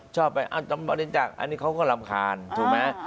ชอบไปบริจาคอันนี้เขาก็รำคาญถูกไหม